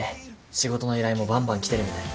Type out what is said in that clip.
仕事の依頼もばんばん来てるみたい。